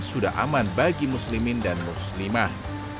sudah aman bagi muslimin dan muslimah